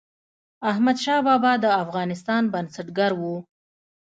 احمدشاه بابا د افغانستان بنسټګر و.